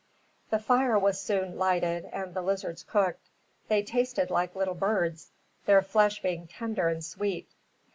The fire was soon lighted, and the lizards cooked. They tasted like little birds, their flesh being tender and sweet.